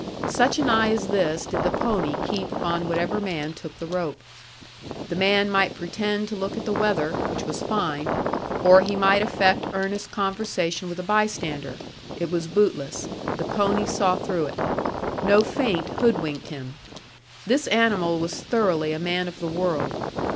Such an eye as this did the pony keep upon whatever man took the rope. The man might pretend to look at the weather, which was fine; or he might affect earnest conversation with a bystander: it was bootless. The pony saw through it. No feint hoodwinked him. This animal was thoroughly a man of the world.